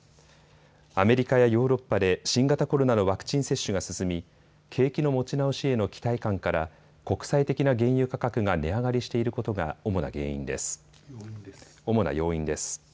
アメリカやヨーロッパで新型コロナのワクチン接種が進み景気の持ち直しへの期待感から国際的な原油価格が値上がりしていることが主な要因です。